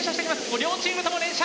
両チームとも連射！